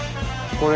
これ。